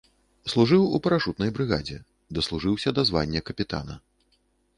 Служыў у парашутнай брыгадзе, даслужыўся да звання капітана.